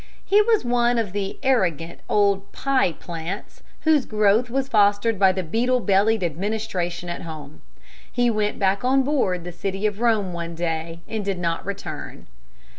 He was one of the arrogant old pie plants whose growth was fostered by the beetle bellied administration at home. He went back on board the City of Rome one day, and did not return.